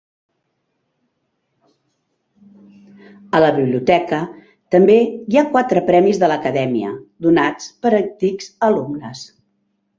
A la biblioteca també hi ha quatre premis de l'Acadèmia, donats per antics alumnes.